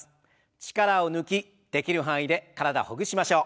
力を抜きできる範囲で体ほぐしましょう。